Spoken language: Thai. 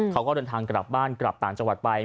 เขาก็เดินทางกลับบ้านกลับต่างจังหวัดไป